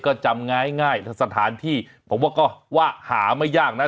ก็จำง่ายสถานที่ผมว่าก็ว่าหาไม่ยากนะ